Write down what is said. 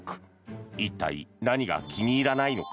一体、何が気に入らないのか。